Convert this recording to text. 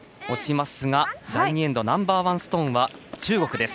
押しますが、第２エンドナンバーワンストーンは中国。